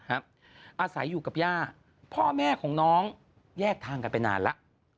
อาศัยอยู่กับย่าพ่อแม่ของน้องแยกทางกันไปนานแล้ว